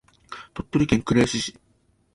鳥取県倉吉市